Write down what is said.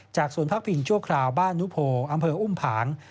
ศูนย์พักพิงชั่วคราวบ้านนุโพอำเภออุ้มผาง